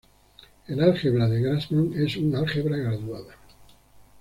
El álgebra de Grassmann es un álgebra graduada.